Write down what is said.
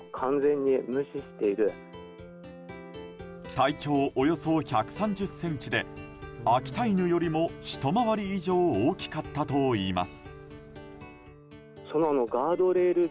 体長およそ１３０ｃｍで秋田犬よりもひと回り以上大きかったといいます。